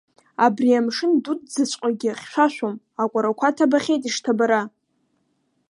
Абри амшын дуӡӡаҵәҟьагьы хьшәашәом, акәарақәа ҭабахьеит ишҭабара.